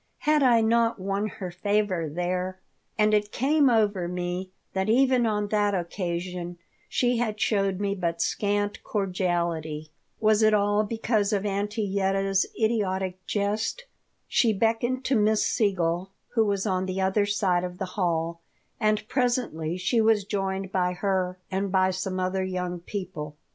Had I not won her favor there? And it came over me that even on that occasion she had shown me but scant cordiality. Was it all because of Auntie Yetta's idiotic jest? She beckoned to Miss Siegel, who was on the other side of the hall, and presently she was joined by her and by some other young people.